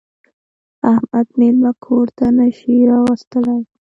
احمد مېلمه کور ته نه شي راوستلی.